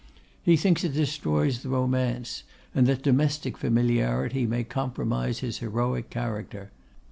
He thinks it destroys the romance; and that domestic familiarity may compromise his heroic character.